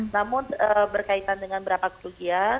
namun berkaitan dengan berapa kerugian